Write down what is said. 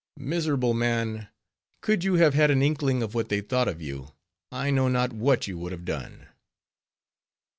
Miserable man! could you have had an inkling of what they thought of you, I know not what you would have done.